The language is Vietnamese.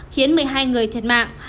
khiến một mươi hai người thiệt mạng